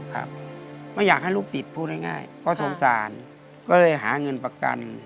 ครับไม่อยากให้ลูกติดพูดง่ายเพราะสงสารก็เลยหาเงินประกัน